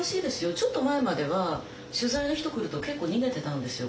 ちょっと前までは取材の人来ると結構逃げてたんですよ